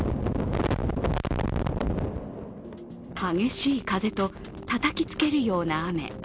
激しい風とたたきつけるような雨。